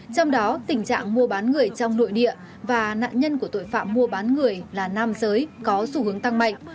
trong đó tình trạng mua bán người trong nội địa và nạn nhân của tội phạm mua bán người là nam giới có xu hướng tăng mạnh